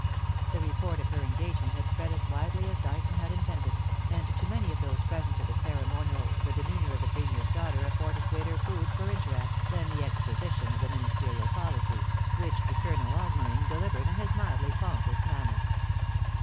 The report of her engagement had spread as widely as Dyson had intended, and to many of those present at the ceremonial the demeanour of the Premier's daughter afforded greater food for interest than the exposition of the Ministerial policy, which Colonel Augmering delivered in his mildly pompous manner.